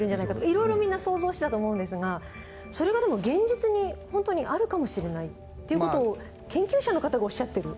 いろいろみんな想像したと思うんですがそれがでも現実に本当にあるかもしれないっていう事を研究者の方がおっしゃってる。